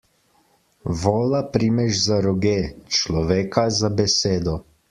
Vola primeš za roge, človeka za besedo.